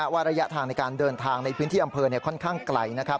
ระยะทางในการเดินทางในพื้นที่อำเภอค่อนข้างไกล